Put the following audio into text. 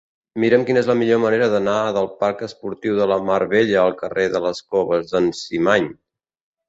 Mira'm quina és la millor manera d'anar del parc Esportiu de la Mar Bella al carrer de les Coves d'en Cimany.